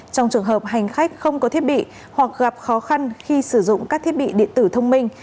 trong trường hợp hành khách không có thiết bị hoặc gặp khó khăn khi sử dụng các thiết bị điện tử thông minh